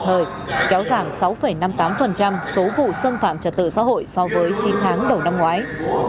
thời kéo giảm sáu năm mươi tám số vụ xâm phạm trật tự xã hội so với chín tháng đầu năm ngoái